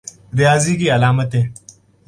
ریاضی کی علامتیں